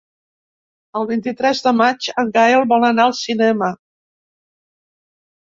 El vint-i-tres de maig en Gaël vol anar al cinema.